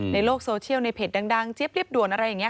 ในโลกโซเชียลในเพจดังเจี๊ยเรียบด่วนอะไรอย่างนี้